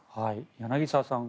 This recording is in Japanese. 柳澤さん